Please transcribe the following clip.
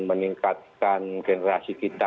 meningkatkan generasi kita